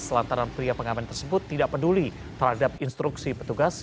selantaran pria pengamen tersebut tidak peduli terhadap instruksi petugas